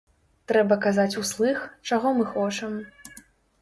Трэба казаць услых, чаго мы хочам.